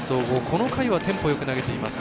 この回はテンポよく投げています。